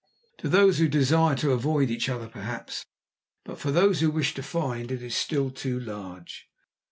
"To those who desire to avoid each other, perhaps, but for those who wish to find it is still too large."